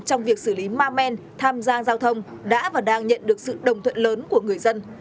trong việc xử lý ma men tham gia giao thông đã và đang nhận được sự đồng thuận lớn của người dân